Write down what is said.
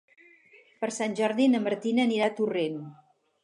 Per Sant Jordi na Martina anirà a Torrent.